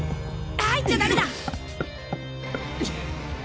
入っちゃダメだ！